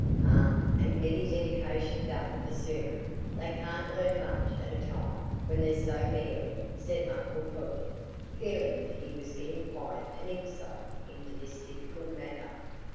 "Ah, and get his eddication done the sooner; they can't learn much at a time when there's so many of 'em," said uncle Pullet, feeling that he was getting quite an insight into this difficult matter.